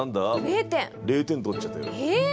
０点取っちゃってる。